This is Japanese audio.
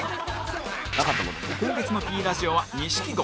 今月の Ｐ ラジオは錦鯉